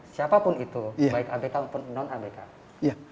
siapapun itu baik abk maupun non abk